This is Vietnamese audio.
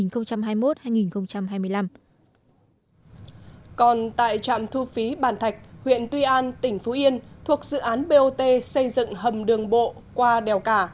còn tại trạm thu phí bàn thạch huyện tuy an tỉnh phú yên thuộc dự án bot xây dựng hầm đường bộ qua đèo cả